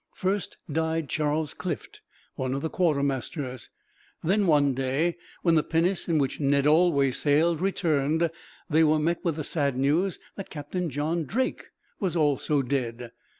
First died Charles Clift, one of the quartermasters. Then one day, when the pinnace in which Ned always sailed returned, they were met with the sad news that Captain John Drake was also dead.